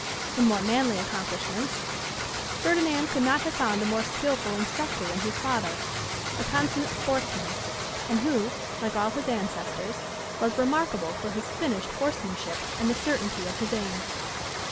In more manly accomplishments, Ferdinand could not have found a more skilful instructor than his father, a consummate sportsman, and who, like all his ancestors, was remarkable for his finished horsemanship and the certainty of his aim.